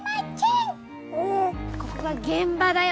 ここが現場だよ